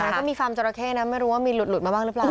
ก็มีฟาร์มจราเข้นะไม่รู้ว่ามีหลุดมาบ้างหรือเปล่า